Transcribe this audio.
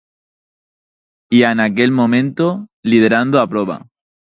Ía naquel momento liderando a proba.